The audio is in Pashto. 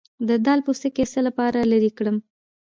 د دال پوستکی د څه لپاره لرې کړم؟